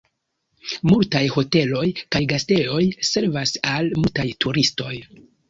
Multaj hoteloj kaj gastejoj servas al multaj turistoj.